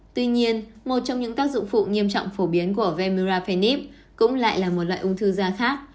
tuy nhiên một trong những tác dụng phụ nghiêm trọng phổ biến của viêm mrapenip cũng lại là một loại ung thư da khác